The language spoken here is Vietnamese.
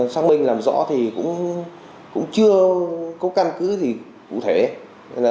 công an xã công an huyện đã triệu tập